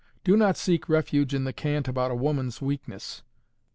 Do not seek refuge in the cant about a woman's weakness.